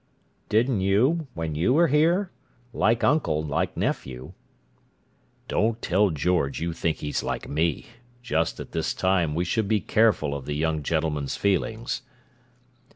"Didn't you, when you were here? Like uncle, like nephew." "Don't tell George you think he's like me. Just at this time we should be careful of the young gentleman's feelings."